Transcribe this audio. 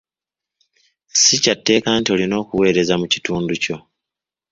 Si kya tteeka nti olina okuweereza mu kitundu kyo.